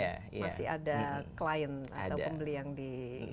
masih ada klien atau pembeli yang di